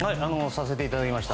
させていただきました。